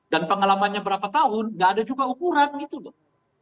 dan pengalamannya berapa tahun tidak ada juga ukuran gitu loh